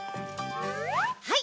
はい。